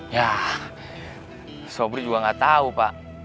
ya sobri juga nggak tahu pak